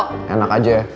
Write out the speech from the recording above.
tunggu aja ya